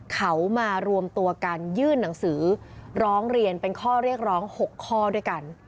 เขามารวมตัวกันยื่นหนังสือร้องเรียนเป็นข้อเรียกร้อง๖ข้อด้วยกัน